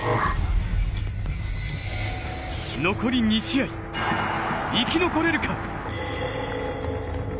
残り２試合、生き残れるか。